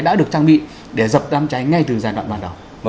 đã được trang bị để dập đám cháy ngay từ giai đoạn bản đảo